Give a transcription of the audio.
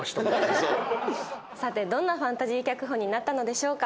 さてどんなファンタジー脚本になったのでしょうか？